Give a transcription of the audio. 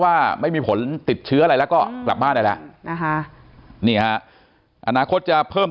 ว่าไม่มีผลติดเชื้ออะไรแล้วก็กลับบ้านได้แล้วนะคะนี่ฮะอนาคตจะเพิ่ม